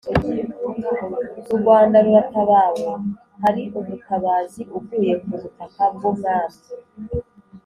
urwanda ruratabawe hari umutabazi uguye kubutaka bwumwami